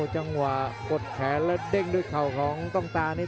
จังหวะกดแขนแล้วเด้งด้วยเข่าของต้องตานี่